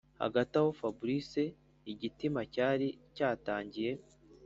hagati aho fabric igitima cyari cyatangiye